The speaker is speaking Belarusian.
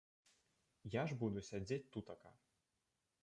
Я ж буду сядзець тутака.